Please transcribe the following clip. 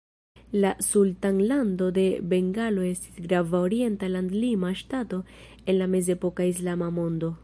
La Sultanlando de Bengalo estis grava orienta landlima ŝtato en la mezepoka Islama mondo.